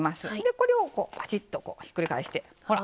これをこうバシッとひっくり返してほら